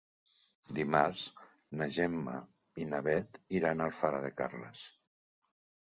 Dimarts na Gemma i na Bet iran a Alfara de Carles.